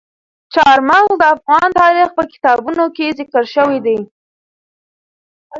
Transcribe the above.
چار مغز د افغان تاریخ په کتابونو کې ذکر شوی دي.